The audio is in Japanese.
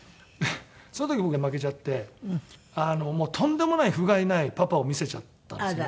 その時に僕は負けちゃってとんでもないふがいないパパを見せちゃったんですね。